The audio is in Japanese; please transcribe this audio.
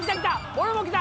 俺も来た！